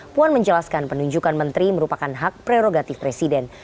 puan menjelaskan penunjukan menteri merupakan hak prerogatif presiden